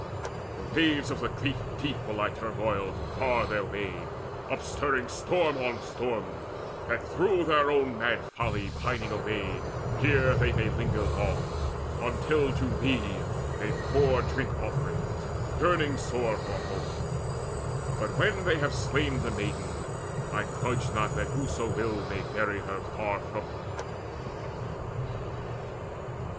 The waves of the great deep will I turmoil To bar their way, upstirring storm on storm, That through their own mad folly pining away Here they may linger long, until to me They pour drink offerings, yearning sore for home. But, when they have slain the maiden, I grudge not That whoso will may bury her far from me."